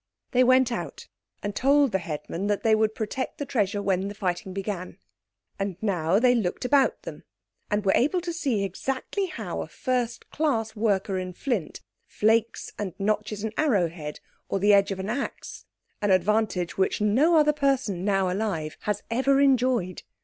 They went out and told the headman that they would protect the treasure when the fighting began. And now they looked about them and were able to see exactly how a first class worker in flint flakes and notches an arrow head or the edge of an axe—an advantage which no other person now alive has ever enjoyed.